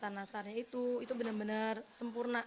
apa sih nastar nastarnya itu itu benar benar sempurna